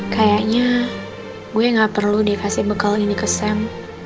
kayaknya gue gak perlu dikasih bekal ini ke sam